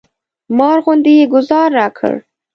مار غوندې یې ګوزار راکړ.